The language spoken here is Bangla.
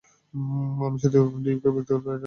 আমি শুধু ডিউককেই ব্যক্তিগতভাবে এটা বলতে পারব।